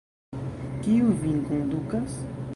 Kiu vin kondukas?